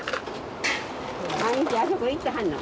毎日あそこ行ってはんの？